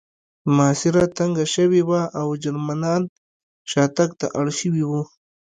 محاصره تنګه شوې وه او جرمنان شاتګ ته اړ شوي وو